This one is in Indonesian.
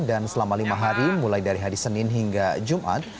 dan selama lima hari mulai dari hari senin hingga jumat